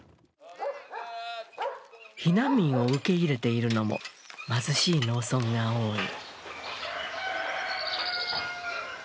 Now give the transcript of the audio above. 避難民を受け入れているのも貧しい農村が多い。